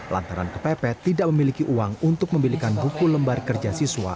lantaran kepepet tidak memiliki uang untuk membelikan buku lembar kerja siswa